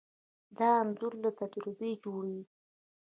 دا انځور له تجربې جوړېږي.